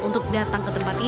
untuk datang ke tempat ini